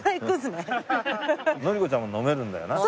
紀子ちゃんも飲めるんだよな？